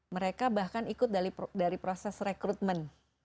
mereka bahkan ikut dari proses rekrutmen